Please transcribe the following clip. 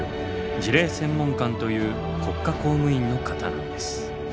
辞令専門官という国家公務員の方なんです。